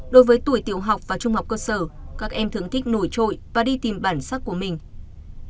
đối với tuổi tiểu học và trung học cơ sở các em thưởng thích nổi trội và đi tìm bản sắc của mình